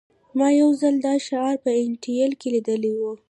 ما یو ځل دا شعار په انټیل کې لیدلی و